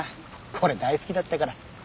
これ大好きだったから。